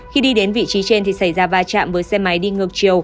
khi đi đến vị trí trên thì xảy ra va chạm với xe máy đi ngược chiều